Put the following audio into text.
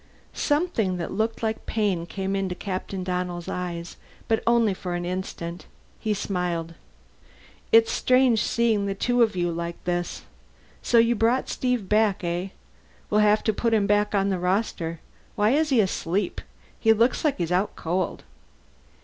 Something that looked like pain came into Captain Donnell's eyes, but only for an instant. He smiled. "It's strange, seeing the two of you like this. So you brought back Steve, eh? We'll have to put him back on the roster. Why is he asleep? He looks like he's out cold."